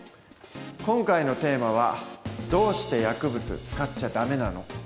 今回のテーマは「どうして薬物使っちゃダメなの？」。